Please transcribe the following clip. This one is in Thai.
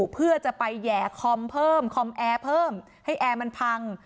เพื่อจะไปแห่คอมเพิ่มคอมแอร์เพิ่มให้แอร์มันพัง